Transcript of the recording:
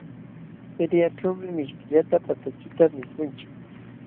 Feriaćhuumi mishkillata patachita mikunchik.